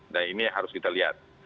nah ini yang harus kita lihat